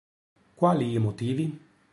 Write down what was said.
Quali i motivi?